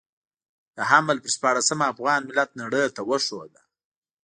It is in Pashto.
د حمل پر شپاړلسمه افغان ملت نړۍ ته وښوده.